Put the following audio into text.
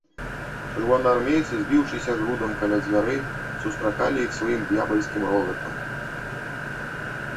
Чырвонаармейцы, збіўшыся грудам каля дзвярэй, сустракалі іх сваім д'ябальскім рогатам.